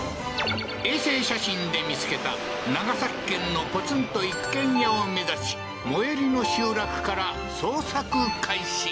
衛星写真で見つけた長崎県のポツンと一軒家を目指し最寄りの集落から捜索開始